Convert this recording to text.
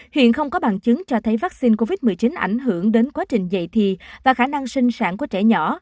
hiện không có bằng chứng cho thấy vaccine covid một mươi chín ảnh hưởng đến quá trình dạy thì khả năng sinh sản của trẻ nhỏ